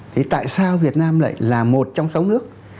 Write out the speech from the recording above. thì tại sao việt nam lại là một trong sáu nước